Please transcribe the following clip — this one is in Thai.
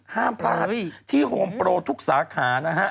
ห้ามพลาดที่โฮมโปรทุกสาขานะฮะ